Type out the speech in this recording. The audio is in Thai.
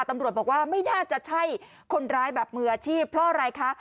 ตำรวจบอกว่าไม่น่าจะใช่คนร้ายแบบมืออาชีพเพราะอะไรคะ